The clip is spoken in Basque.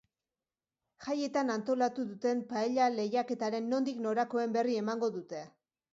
Jaietan antolatu duten paella lehiaketaren nondik norakoen berri emango dute.